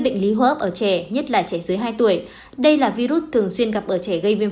bệnh lý hô hấp ở trẻ nhất là trẻ dưới hai tuổi đây là virus thường xuyên gặp ở trẻ gây viêm